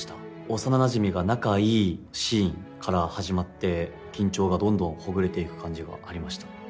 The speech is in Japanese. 幼なじみが仲いいシーンから始まって緊張がどんどんほぐれていく感じがありました。